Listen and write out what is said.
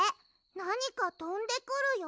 なにかとんでくるよ。